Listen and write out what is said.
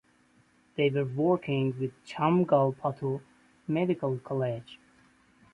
They were working with Chengalpattu Medical College.